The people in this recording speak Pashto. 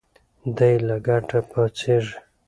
دی له کټه پاڅېږي.